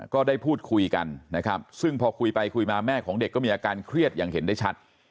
ก็ได้พูดคุยกันนะครับซึ่งพอคุยไปคุยมาแม่ของเด็กก็มีอาการเครียดอย่างเห็นได้ชัด